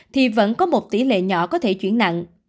thì vẫn có một tỷ lệ nhỏ có thể chuyển nặng